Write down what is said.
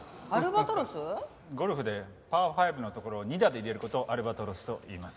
ゴルフでパー５のところを２打で入れる事をアルバトロスといいます。